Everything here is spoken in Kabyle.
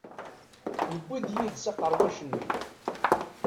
Yewwi-d yid-s aqerwac-nni.